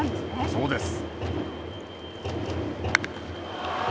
そうです。